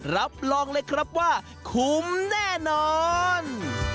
รับรองเลยครับว่าคุ้มแน่นอน